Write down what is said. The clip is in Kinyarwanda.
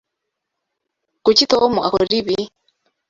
Kuki Tom akora ibi?